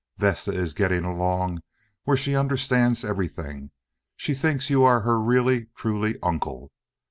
Vesta is getting along where she understands everything. She thinks you are her really truly uncle.